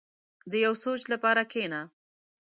• د یو سوچ لپاره کښېنه.